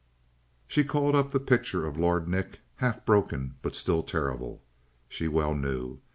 She called up the picture of Lord Nick, half broken, but still terrible, she well knew.